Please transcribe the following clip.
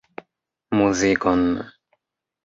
Muzikon.